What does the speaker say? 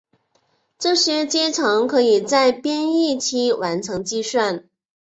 这些阶乘可以在编译期完成计算。